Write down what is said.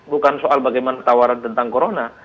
bukan soal bagaimana tawaran tentang corona